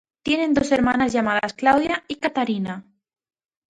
Tiene dos hermanas llamadas Claudia y Katharina.